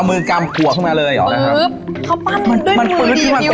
เอามือกำขัวขึ้นมาเลยอ่ะปึ๊บเขาปั้นด้วยมือเดียวเดี๋ยว